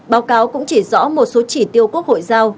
báo cáo cũng chỉ rõ một số chỉ tiêu quốc hội giao